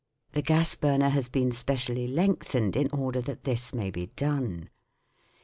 The gas burner has been specially lengthened in order that this may be done.